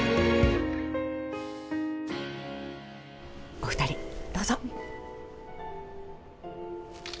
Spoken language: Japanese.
お二人どうぞ。